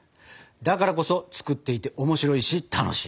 だからこそ作っていて面白いし楽しい。